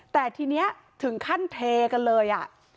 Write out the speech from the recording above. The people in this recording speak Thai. แต่ทีนี้ถึงขั้นเทกันเลย